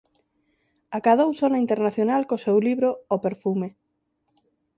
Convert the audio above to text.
Acadou sona internacional co seu libro "O Perfume.